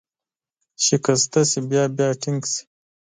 شکسته شي، بیا بیا ټینګ شي.